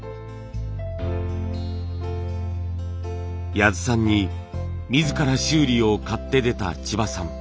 谷津さんに自ら修理を買って出た千葉さん。